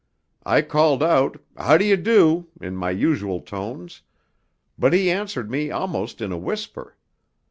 I called out, 'How do you do?' in my usual tones, but he answered me almost in a whisper.